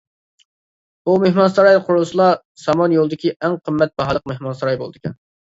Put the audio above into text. بۇ مېھمانساراي قۇرۇلسىلا سامانيولىدىكى ئەڭ قىممەت باھالىق مېھمانساراي بولىدىكەن.